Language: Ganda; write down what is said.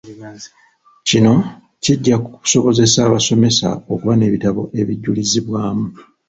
Kino kijja kusobozesa abasomesa okuba n'ebitabo ebijulizibwamu.